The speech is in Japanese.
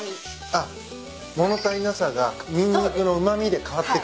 あっ物足りなさがニンニクのうま味で変わってく。